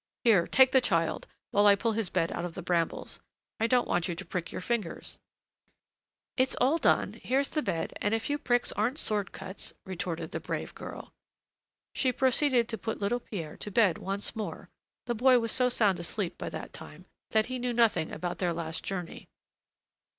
"Here, take the child, while I pull his bed out of the brambles; I don't want you to prick your fingers." "It's all done, there's the bed, and a few pricks aren't sword cuts," retorted the brave girl. She proceeded to put little Pierre to bed once more; the boy was so sound asleep by that time, that he knew nothing about their last journey.